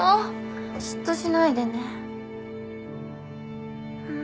嫉妬しないでね。